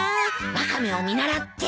ワカメを見習って。